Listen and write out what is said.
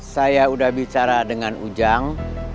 saya udah bicara dengan ujang